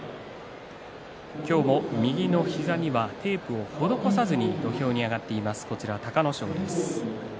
今日も右膝にはテープを施さずに土俵に上がっている隆の勝です。